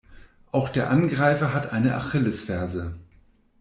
Auch der Angreifer hat eine Achillesferse.